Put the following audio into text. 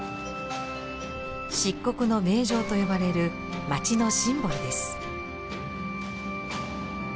漆黒の名城と呼ばれる町のシンボルです。